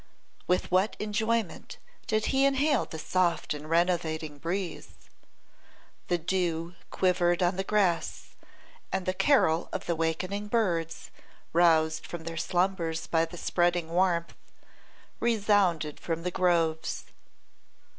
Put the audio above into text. With what enjoyment did he inhale the soft and renovating breeze! The dew quivered on the grass, and the carol of the wakening birds, roused from their slumbers by the spreading warmth, resounded from the groves.